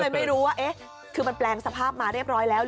ไม่รู้ว่าคือมันแปลงสภาพมาเรียบร้อยแล้ว